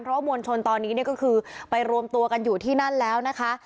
เพราะว่ามวลชนตอนนี้เนี่ยก็คือไปรวมตัวกันอยู่ที่นั่นแล้วนะคะ